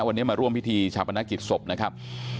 วันนี้มาร่วมพิธีชาปนกิจศพนะครับ